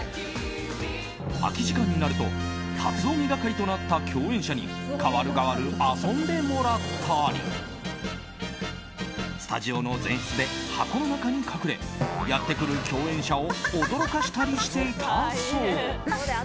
空き時間になると龍臣係となった共演者に代わる代わる遊んでもらったりスタジオの前室で箱の中に隠れやってくる共演者を驚かしたりしていたそう。